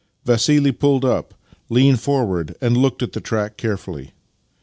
Vassili pulled up, leaned forward, and looked at the track carefully.